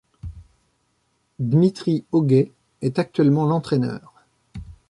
Dmitry Ogay est actuellement l’entraîneur.